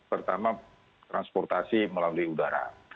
pertama transportasi melalui udara